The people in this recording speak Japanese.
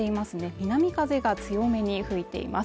南風が強めに吹いています。